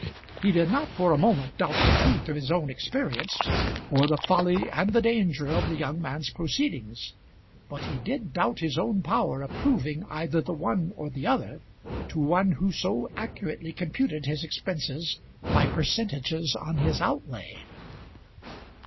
He did not for a moment doubt the truth of his own experience or the folly and the danger of the young man's proceedings; but he did doubt his own power of proving either the one or the other to one who so accurately computed his expenses by percentages on his outlay.